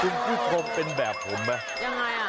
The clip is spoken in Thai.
คุณพิทธิ์ทรมเป็นแบบผมหรือมั้ยโอ้โฮยังไง